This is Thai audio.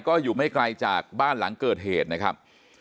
ก็อยู่ไม่ไกลจากบ้านหลังเกิดเหตุนะครับ